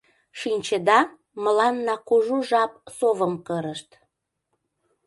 Шинчеда, мыланна кужу жап совым кырышт.